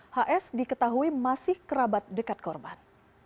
hs diketahui masih kerabat dekat korban